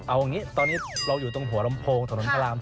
เอาอย่างนี้ตอนนี้เราอยู่ตรงหัวลำโพงถนนพระราม